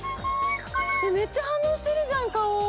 めっちゃ反応してるじゃん。